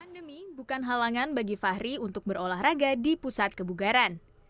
pandemi bukan halangan bagi fahri untuk berolahraga di pusat kebugaran